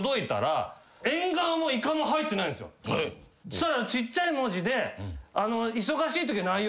したらちっちゃい文字で。